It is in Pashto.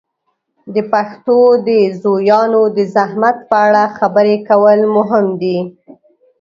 د پښتو د زویانو د زحمت په اړه خبرې کول مهم دي.